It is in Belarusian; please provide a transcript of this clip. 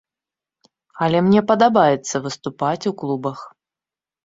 Але мне падабаецца выступаць у клубах.